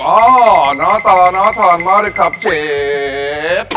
โอ้โหน่าตอนมาเลยครับเชฟ